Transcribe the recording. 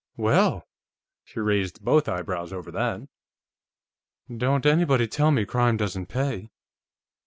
"Well!" She raised both eyebrows over that. "Don't anybody tell me crime doesn't pay."